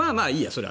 それは。